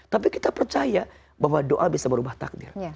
tapi kita percaya bahwa doa bisa merubah takdir